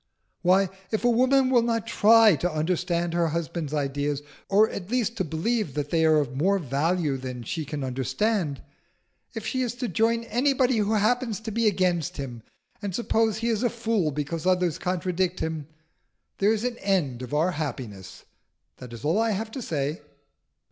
"Why, if a woman will not try to understand her husband's ideas, or at least to believe that they are of more value than she can understand if she is to join anybody who happens to be against him, and suppose he is a fool because others contradict him there is an end of our happiness. That is all I have to say."